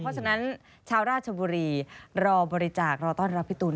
เพราะฉะนั้นชาวราชบุรีรอบริจาครอต้อนรับพี่ตูน